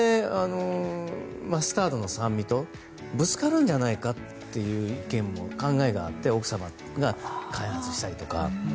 マスタードの酸味とぶつかるんじゃないかという意見も考えがあって奥様が開発したりとか。